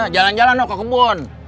jalan jalan mau ke kebun